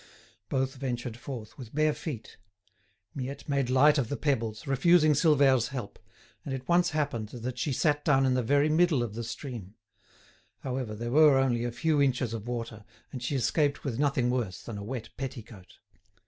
Both ventured forth, with bare feet. Miette made light of the pebbles, refusing Silvère's help, and it once happened that she sat down in the very middle of the stream; however, there were only a few inches of water, and she escaped with nothing worse than a wet petticoat.